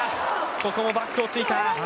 ココモバックをついた。